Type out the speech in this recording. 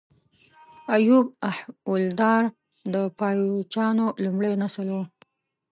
ایوب احوالدار د پایلوچانو لومړی نسل و.